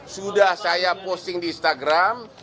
sudah saya posting di instagram